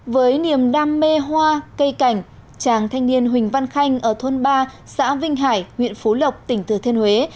với niềm đam mê hoa cây cảnh chàng thanh niên huỳnh văn khanh ở thôn ba xã vinh hải huyện phú lộc tỉnh thừa thiên huế